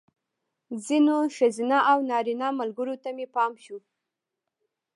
ځینو ښځینه او نارینه ملګرو ته مې پام شو.